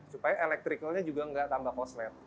supaya elektrikalnya juga nggak tambah koslet